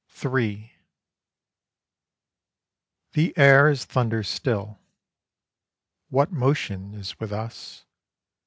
III The air is thunder still. What motion is with us?